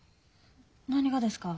何がですか？